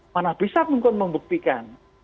mana bisa mungkin membuktikan